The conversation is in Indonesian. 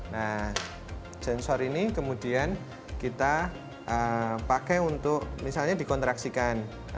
nah sensor ini kemudian kita pakai untuk misalnya dikontraksikan